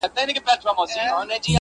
پرېږده جهاني ته د خیالي کاروان سندره دي-